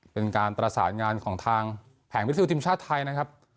เป็นการตรศาสน์งานของทางแผงวิทยาศิลป์ทิมชาติไทยนะครับ